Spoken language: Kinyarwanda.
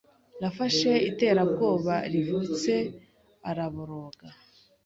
yafashe iterabwoba rivutse araboroga